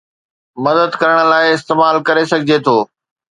مدد ڪرڻ لاء استعمال ڪري سگهجي ٿو